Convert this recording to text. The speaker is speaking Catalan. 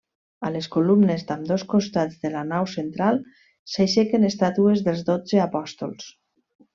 A les columnes d'ambdós costats de la nau central s'aixequen estàtues dels dotze apòstols.